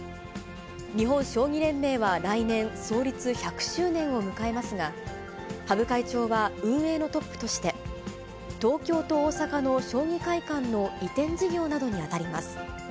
日本将棋連盟は来年、創立１００周年を迎えますが、羽生会長は運営のトップとして、東京と大阪の将棋会館の移転事業などに当たります。